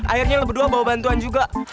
akhirnya lo berdua bawa bantuan juga